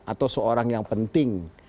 atau seorang yang penting